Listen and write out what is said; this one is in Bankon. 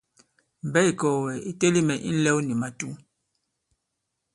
Mbɛ̌ ì kɔ̀gɛ̀ ì teli mɛ̀ i ǹlɛw nì màtǔ.